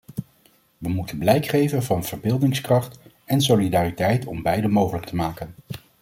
Wij moeten blijk geven van verbeeldingskracht en solidariteit om beide mogelijk te maken.